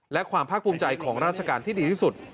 และความภาคภูมิใจของราชการที่ดีที่สุด